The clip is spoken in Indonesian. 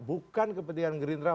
bukan kepentingan gerindra